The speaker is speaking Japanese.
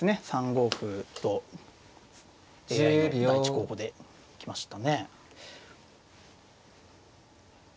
３五歩とＡＩの第１候補で行きましたね。